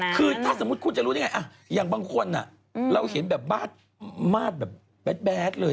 คือถ้าสมมุติคุณจะรู้ได้ไงอย่างบางคนเราเห็นแบบมาดแบบแบดเลย